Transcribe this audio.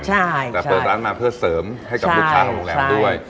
แต่เปิดร้านมาเพื่อเสริมให้กับลูกข้างโรงแรมด้วย